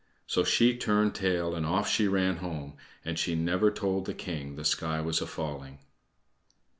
So she turned tail and off she ran home, and she never told the king the sky was a falling.